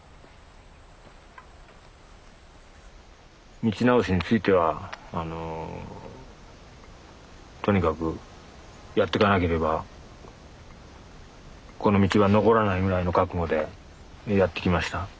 道直しについてはとにかくやってかなければこの道は残らないぐらいの覚悟でやってきました。